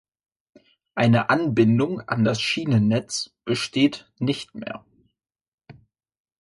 Eine Anbindung an das Schienennetz besteht nicht mehr.